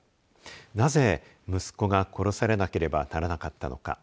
なぜ息子が殺されなければならなかったのか。